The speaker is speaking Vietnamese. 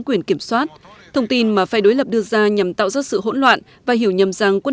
quyền kiểm soát thông tin mà phe đối lập đưa ra nhằm tạo ra sự hỗn loạn và hiểu nhầm rằng quân